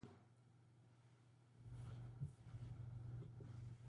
The name "Benko Gambit" stuck and is particularly used in English-speaking countries.